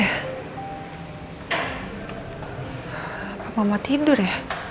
apa mama tidur ya